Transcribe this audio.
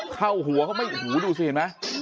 เข้าหัวเข้าไปหูดูสิเห็นมั้ย